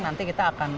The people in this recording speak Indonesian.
nanti kita akan